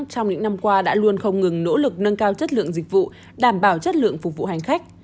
trong những năm qua đã luôn không ngừng nỗ lực nâng cao chất lượng dịch vụ đảm bảo chất lượng phục vụ hành khách